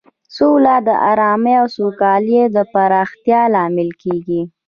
سوله د ارامۍ او سوکالۍ د پراختیا لامل کیږي.